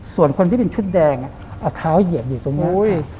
ส่วนคนที่เป็นชุดแดงเอาเท้าเหยียบอยู่ตรงนี้